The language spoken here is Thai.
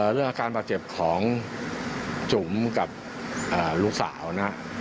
เรื่องอาการบาดเจ็บของจุ๋มกับลูกสาวนะ